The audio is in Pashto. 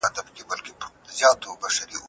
د موبایل سکرین ولې دومره تت ښکاري؟